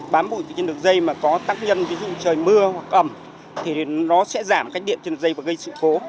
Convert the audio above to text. bám bụi trên đường dây mà có tác nhân ví dụ trời mưa hoặc ẩm thì nó sẽ giảm cách điện trên dây và gây sự cố